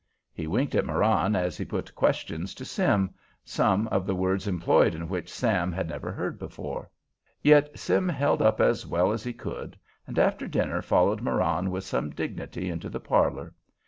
He winked at Marann as he put questions to Sim, some of the words employed in which Sim had never heard before. Yet Sim held up as well as he could, and after dinner followed Marann with some little dignity into the parlor.